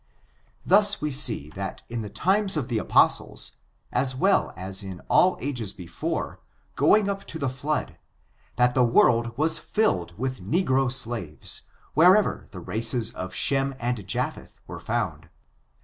Thus we see, that in the times of the apostles, as well as in all ages before, going up to the flood, that the world was filled with negro slaves, wherever the races of Shem and Japheth were found.